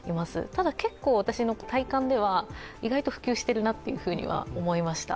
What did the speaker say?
ただ、結構私の体感では意外と普及しているなとは思いました。